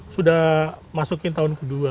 sudah masukin tahun ke dua